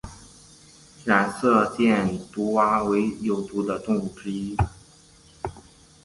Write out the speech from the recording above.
染色箭毒蛙为有毒的动物之一。